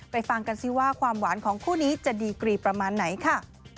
ฟังกันสิว่าความหวานของคู่นี้จะดีกรีประมาณไหนค่ะ